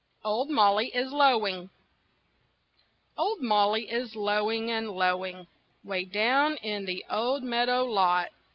OLD MOLLY IS LOWING Old Molly is lowing and lowing 'Way down in the old meadow lot.